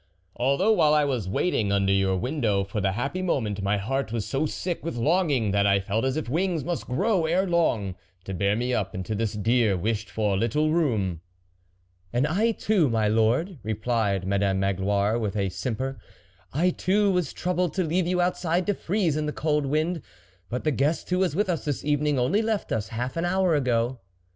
" Although while I was waiting under your window for the happy moment, my heart was so sick with long ing that I felt as if wings must grow ere long, to bear me up into this dear wished for little room." " And I too, my lord," replied Madame Magloire with a simper, " I too was troubled to leave you outside to freeze in the cold wind, but the guest who was with us this evening only left us half an hour ago."